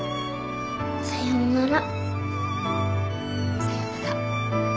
さようなら。